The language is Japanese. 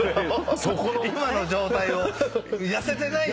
今の状態を痩せてない状態を。